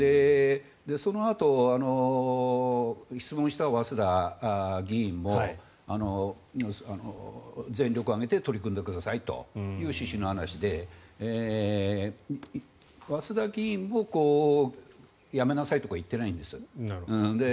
そのあと、質問した早稲田議員も全力を挙げて取り組んでくださいという趣旨の話で早稲田議員も辞めなさいとか言っていないんです。